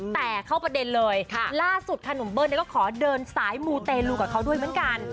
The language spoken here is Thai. แต่เข้าประเด็นเลยล่าสุดค่ะหนุ่มเบิ้ลก็ขอเดินสายมูเตลูกับเขาด้วยเหมือนกัน